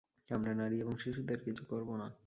আমরা নারী এবং শিশুদের কিছু করব না।